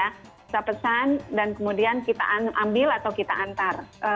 kita pesan dan kemudian kita ambil atau kita antar